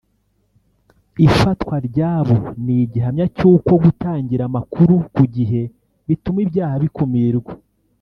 Ifatwa ryabo ni igihamya cy’uko gutangira amakuru ku gihe bituma ibyaha bikumirwa